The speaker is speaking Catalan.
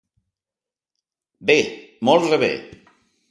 Bé. Molt rebé.